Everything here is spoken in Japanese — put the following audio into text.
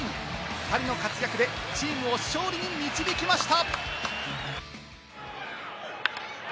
２人の活躍でチームを勝利に導きました。